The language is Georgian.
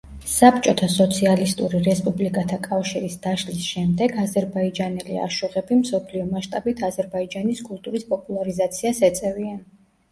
საბჭოთა სოციალისტური რესპუბლიკათა კავშირის დაშლის შემდეგ აზერბაიჯანელი აშუღები მსოფლიო მასშტაბით აზერბაიჯანის კულტურის პოპულარიზაციას ეწევიან.